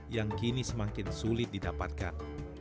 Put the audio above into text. yang kini semakin sulit didapatkan